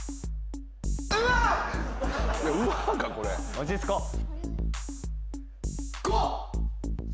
・落ち着こう。